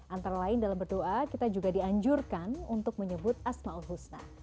antara lain dalam berdoa kita juga dianjurkan untuk menyebut asma'ul husna